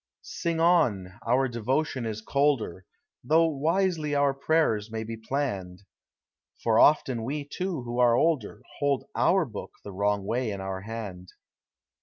Sing on,— our devotion is colder, Though wisely our prayers may be planned, For often we, too, who are older, Ilold our book the wrong way in our hand.